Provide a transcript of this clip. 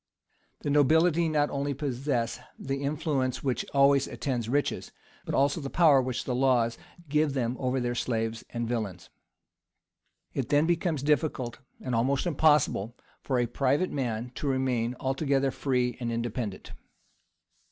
The nobility not only possess the influence which always attends riches, but also the power which the laws give them over their slaves and villains. It then becomes difficult, and almost impossible, for a private man to remain altogether free and independent.